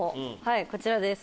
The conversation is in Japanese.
こちらです。